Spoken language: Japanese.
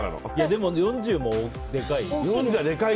でも、４０もでかいよ。